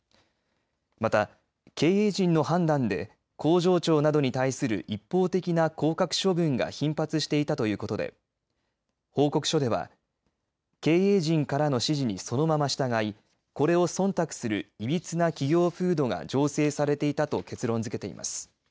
また、経営陣の判断で工場長などに対する一方的な降格処分が頻発していたということで報告書では経営陣からの指示にそのまま従いこれをそんたくするいびつな企業風土が醸成されていたと結論づけています。